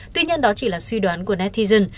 tuy nhiên đó chỉ là suy đoán của netizen